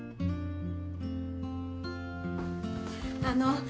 あの。